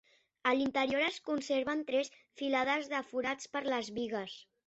A l'interior es conserven tres filades de forats per les bigues.